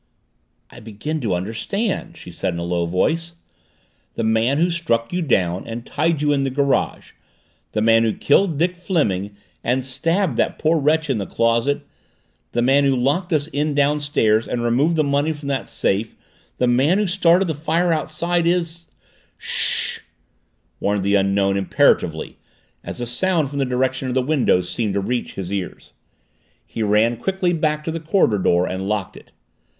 "I begin to understand," she said in a low tone. "The man who struck you down and tied you in the garage the man who killed Dick Fleming and stabbed that poor wretch in the closet the man who locked us in downstairs and removed the money from that safe the man who started that fire outside is " "Sssh!" warned the Unknown imperatively as a sound from the direction of the window seemed to reach his ears. He ran quickly back to the corridor door and locked it.